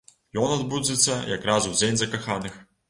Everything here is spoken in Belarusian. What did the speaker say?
Ён адбудзецца якраз у дзень закаханых.